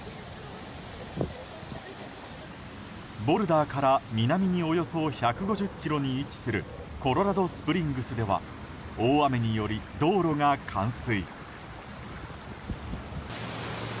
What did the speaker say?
ボルダーから南におよそ１５０ｋｍに位置するコロラドスプリングスでは大雨により道路が冠水。